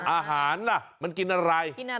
อาหารล่ะมันกินอะไร